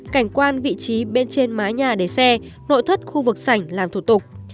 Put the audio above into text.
cảnh quan vị trí bên trên mái nhà để xe nội thất khu vực sảnh làm thủ tục